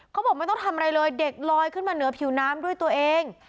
เขาบอกไม่ต้องทำอะไรเลยเด็กลอยขึ้นมาเหนือผิวน้ำด้วยตัวเอง